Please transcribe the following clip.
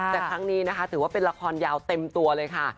แต่ครั้งนี้นะคะถือว่าเป็นละครยาวเต็มตัวเลยค่ะ